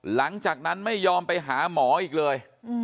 หลังจากนั้นไม่ยอมไปหาหมออีกเลย